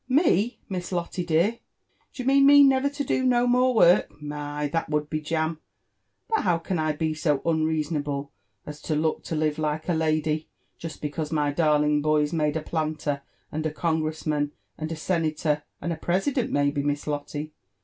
Me !— Miss Lotte dear?— Do you mean me never to do no more work ?— My 1 that would be jam I But how can I be so unrea sonable as to look to live like a lady, jest because my darling boy's made a planter, and a congress man, and a senator, and a president, maybe, Miss Lotto?